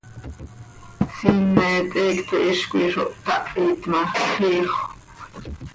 Siimet heecto hizcoi zo htahit ma, xiixöp.